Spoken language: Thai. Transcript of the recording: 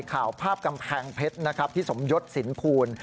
ข่าวภาพกำแพงเพชรที่สมยศสินคูณ